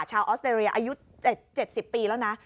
ออสเตรเลียอายุ๗๐ปีแล้วนะ